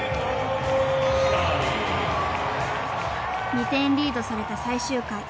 ２点リードされた最終回。